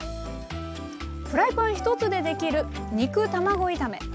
フライパン１つでできる肉卵炒め。